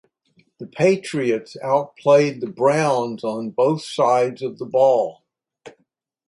The Patriots outplayed the Browns on both sides of the ball.